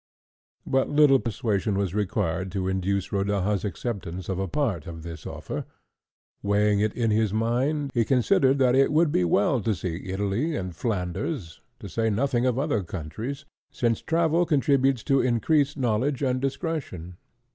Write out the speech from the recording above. But little persuasion was required to induce Rodaja's acceptance of a part of this offer. Weighing it in his mind, he considered that it would be well to see Italy and Flanders, to say nothing of other countries, since travel contributes to increase knowledge and discretion.